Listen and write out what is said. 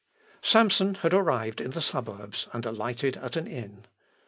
] Samson had arrived in the suburbs, and alighted at an inn.